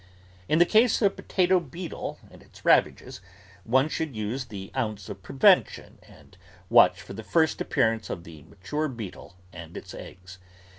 In the case of the potato beetle and its ravages, one should use the ounce of prevention and watch for the first appearance of the mature beetle and its eggs.